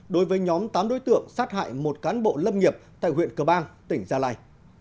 đối với nhóm tám đối tượng sát hại một cán bộ lâm nghiệp tại huyện cờ bang tỉnh gia lai